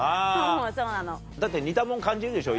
だって似たもん感じるでしょ